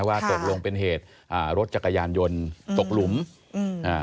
ว่าตกลงเป็นเหตุอ่ารถจักรยานยนต์ตกหลุมอืมอ่า